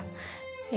え